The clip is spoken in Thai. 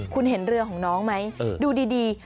คุณเห็นเรือของน้องไหมดูดี